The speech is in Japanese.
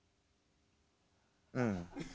うん。